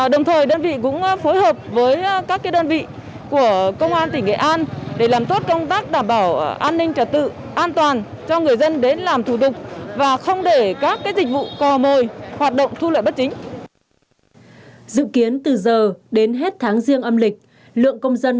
đồng thời đơn vị cũng phối hợp với các đơn vị của công an tỉnh nghệ an để làm tốt công tác đảm bảo an ninh trật tự an toàn cho người dân